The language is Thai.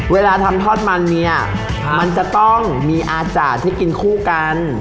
เวลาทำทอดมันเนี่ยมันจะต้องมีอาจารย์ที่กินคู่กัน